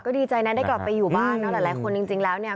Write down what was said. ดีใจนะได้กลับไปอยู่บ้านเนาะหลายคนจริงแล้วเนี่ย